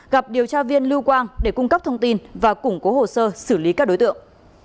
gặp điều tra viên lưu quang để cung cấp thông tin và củng cố hồ sơ xử lý các đối tượng